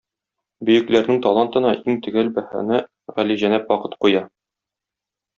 Бөекләрнең талантына иң төгәл бәһане Галиҗәнап Вакыт куя.